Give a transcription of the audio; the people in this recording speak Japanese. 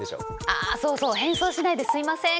あそうそう変装しないで「すいません